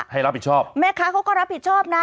ให้รับผิดชอบแม่ค้าเขาก็รับผิดชอบนะ